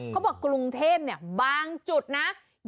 เขาบอกกรุงเทพฯบางจุดนะ